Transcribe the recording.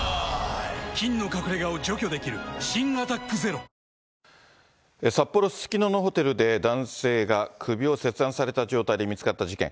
菌の隠れ家を除去できる新「アタックＺＥＲＯ」札幌・すすきののホテルで、男性が首を切断された状態で見つかった事件。